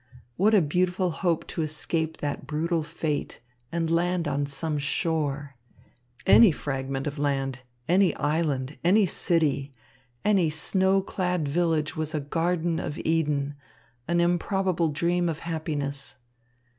What a beautiful hope to escape that brutal fate and land on some shore! Any fragment of land, any island, any city, any snow clad village was a garden of Eden, an improbable dream of happiness.